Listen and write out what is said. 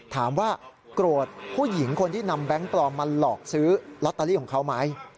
ถามว่าโกรธผู้หญิงคนที่นำแบงค์ปลอมมาหลอกซื้อลอตเตอรี่ของเขาไหม